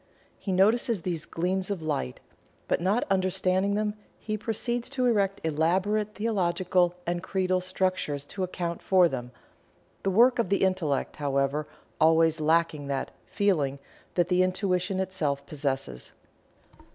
He notices these gleams of light, but not understanding them, he proceeds to erect elaborate theological and creedal structures to account for them, the work of the Intellect, however, always lacking that "feeling" that the intuition itself possesses.